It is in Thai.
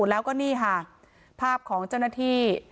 แล้วก็นี่ค่ะภาพของเจ้าหน้าที่